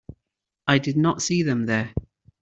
I did not see them there.